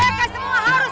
mereka semua harus diadilin